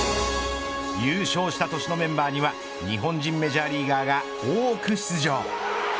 優勝した年のメンバーには日本人メジャーリーガーが多く出場。